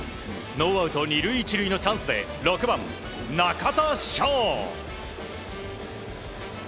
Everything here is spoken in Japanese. ノーアウト２塁１塁のチャンスで６番、中田翔。